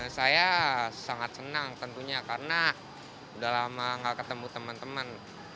saya sangat senang tentunya karena udah lama gak ketemu teman teman